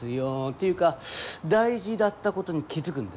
ていうか大事だったことに気付くんですね。